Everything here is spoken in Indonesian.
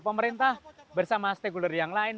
pemerintah bersama stakeholder yang lain